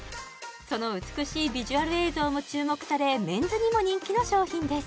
その美しいビジュアル映像も注目されメンズにも人気の商品です